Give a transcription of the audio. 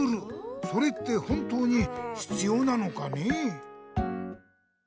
それって本当に必要なのかね？